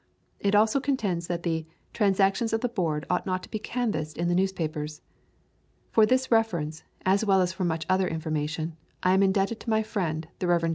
It also contends that "the transactions of the Board ought not to be canvassed in the newspapers." For this reference, as well as for much other information, I am indebted to my friend, the Rev. John Stubbs, D.D.